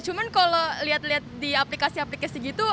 cuma kalau lihat lihat di aplikasi aplikasi gitu